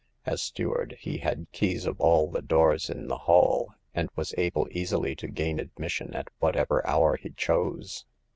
As steward he had keys of all the doors in the Hall, and was able easily to gain admission at whatever hour he chose.